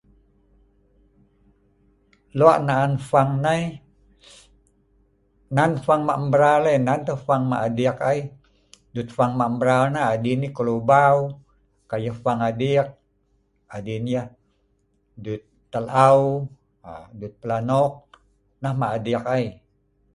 Ee kai arai malan adiu kan kai arai loe' loe' malan ai nyen nyen arai kan, am arai le alin nah adiu, ko'duet nong dei saja yeh le' arai.